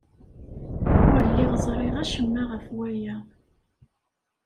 Ur lliɣ ẓriɣ acemma ɣef waya.